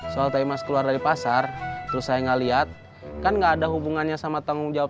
soal teh emas keluar dari pasar terus saya gak liat kan gak ada hubungannya sama tanggung jawab